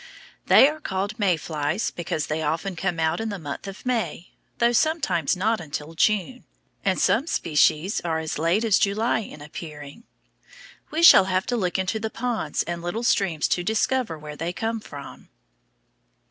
They are called May flies because they often come out in the month of May, though sometimes not until June, and some species are as late as July in appearing. We shall have to look into the ponds and little streams to discover where they come from.